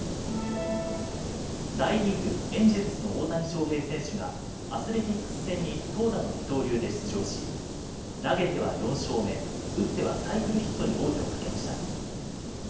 大リーグ、エンジェルスの大谷翔平選手がアスレティックス戦に投打の二刀流で出場し投げては４勝目、打ってはサイクルヒットに王手をかけました。